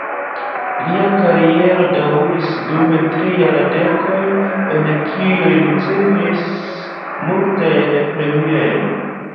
Lia kariero daŭris dum tri jardekoj, en kiuj li ricevis multajn premiojn.